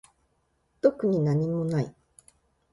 特になにもない